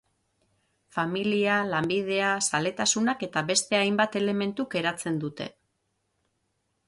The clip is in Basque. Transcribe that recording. Familia, lanbidea, zaletasunak eta beste hainbat elementuk eratzen dute.